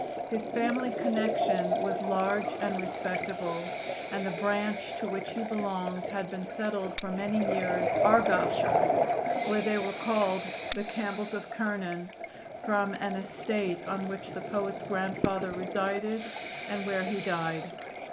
His family connection was large and respectable, and the branch to which he belonged had been settled for many years in Argyleshire, where they were called the Campbells of Kirnan, from an estate on which the poet's grandfather resided and where he died.